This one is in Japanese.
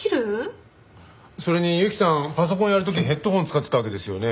それに雪さんパソコンやる時ヘッドホン使ってたわけですよね。